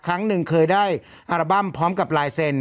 ครั้งหนึ่งเคยได้อัลบั้มพร้อมกับลายเซ็น